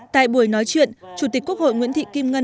tại buổi nói chuyện chủ tịch quốc hội nguyễn thị kim ngân